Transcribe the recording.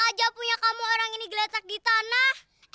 aja punya kamu orang ini geletak di tanah